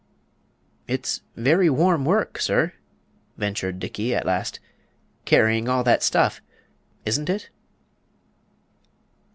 "It's very warm work, sir," ventured Dickey, at last, "carrying all that stuff isn't it?"